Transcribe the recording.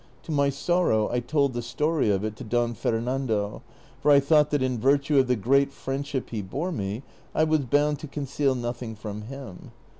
To my sorrow 1 told the stoi y of it to Don Fernando, for 1 thought that in virtue of the great friendship he bore me I was bound to conceal nothing from him.